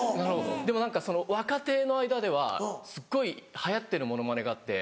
でも何かその若手の間ではすっごい流行ってるモノマネがあって。